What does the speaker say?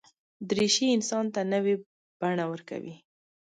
دریشي انسان ته نوې بڼه ورکوي.